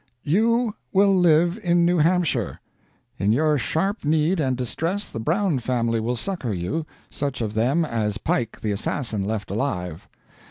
] "You will live in New Hampshire. In your sharp need and distress the Brown family will succor you such of them as Pike the assassin left alive.